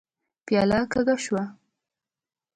پياله کږه شوه.